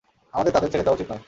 আমাদের তাদের ছেড়ে দেওয়া উচিত নয়।